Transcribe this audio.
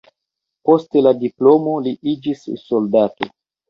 Post la diplomo li iĝis soldato.